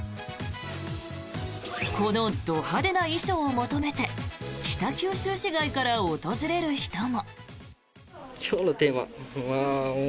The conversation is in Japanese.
このど派手な衣装を求めて北九州市外から訪れる人も。